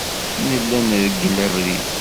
Nella nreggel abrid.